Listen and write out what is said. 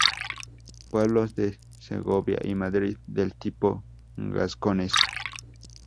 Pueblos de Segovia y Madrid del tipo Gascones.